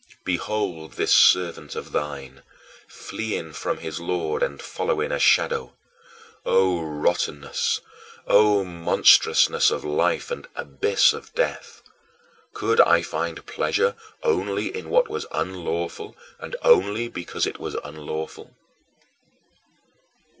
Behold this servant of thine, fleeing from his Lord and following a shadow! O rottenness! O monstrousness of life and abyss of death! Could I find pleasure only in what was unlawful, and only because it was unlawful?